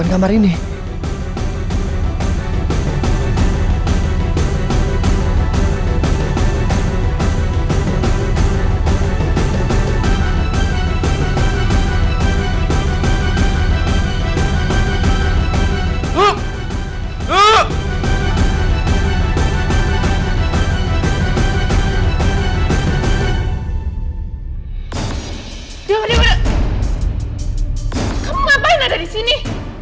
kemarin ada di sini